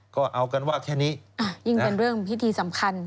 ก็เอากันว่าแค่นี้ยิ่งเป็นเรื่องพิธีสำคัญ